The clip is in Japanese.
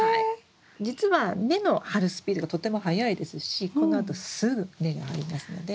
じつは根の張るスピードがとても速いですしこのあとすぐ根が張りますので大丈夫です。